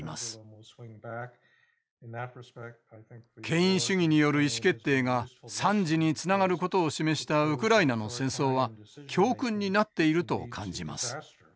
権威主義による意思決定が惨事につながることを示したウクライナの戦争は教訓になっていると感じます。